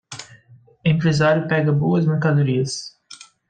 Empresário pega boas mercadorias